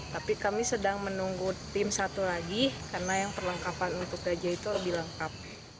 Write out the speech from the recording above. tapi kami sedang menunggu tim satu lagi karena yang perlengkapan untuk gajah itu lebih lengkap